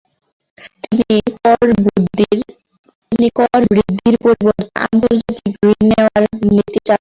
তিনি কর বৃদ্ধির পরিবর্তে আন্তর্জাতিক ঋণ নেওয়ার নীতি চালু করেন।